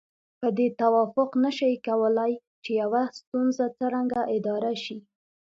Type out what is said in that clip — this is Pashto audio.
په دې توافق نشي کولای چې يوه ستونزه څرنګه اداره شي.